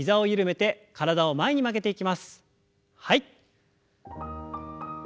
はい。